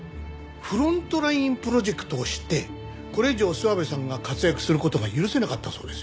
フロントラインプロジェクトを知ってこれ以上諏訪部さんが活躍する事が許せなかったそうです。